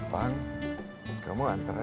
pang kamu antar aja ya